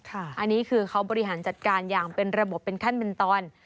อันนี้คือเขาบริหารจัดการอย่างเป็นระบบเป็นขั้นเป็นตอน